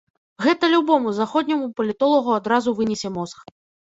Гэта любому заходняму палітолагу адразу вынесе мозг.